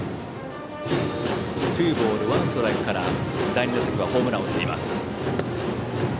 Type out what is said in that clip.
ツーボールワンストライクから第２打席はホームランを打っています。